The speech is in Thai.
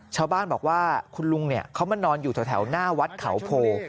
ชาวบ้านบอกว่าคุณลุงเขามานอนอยู่แถวหน้าวัดเขาโพ